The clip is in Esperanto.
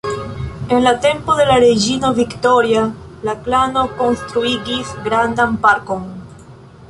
En la tempo de la reĝino Viktoria la klano konstruigis grandan parkon.